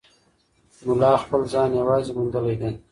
ملا خپل ځان یوازې موندلی دی.